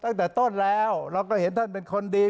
ตั้งแต่ต้นแล้วเราก็เห็นท่านเป็นคนดี